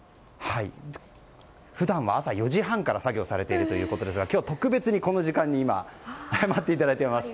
普段は朝４時半から作業されているということですが今日、特別にこの時間に待っていただいています。